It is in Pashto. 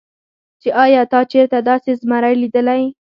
چې ايا تا چرته داسې زمرے ليدلے